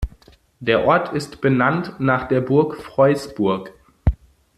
Der Ort ist benannt nach der Burg Freusburg.